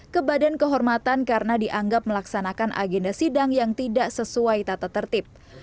ke badan kehormatan karena dianggap melaksanakan agenda sidang yang tidak sesuai tata tertib